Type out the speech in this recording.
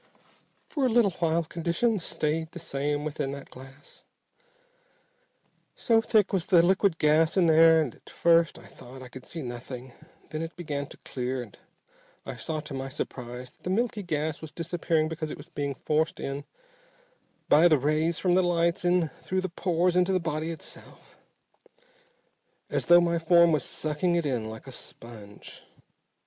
"For a little while conditions stayed the same within that glass. So thick was the liquid gas in there at first that I could see nothing. Then it began to clear, and I saw to my surprise that the milky gas was disappearing because it was being forced in by the rays from the lights in through the pores into the body itself. As though my form was sucking it in like a sponge.